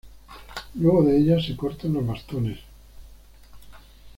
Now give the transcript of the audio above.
Luego de ellas se cortan los bastones.